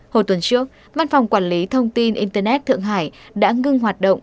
hồi tuần trước văn phòng quản lý thông tin internet thượng hải đã ngưng hoạt động